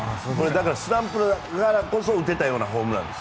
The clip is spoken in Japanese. スランプだからこそ打てたようなホームランです。